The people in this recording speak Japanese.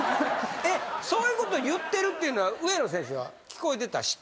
そういうこと言ってるっていうのは上野選手は聞こえてた？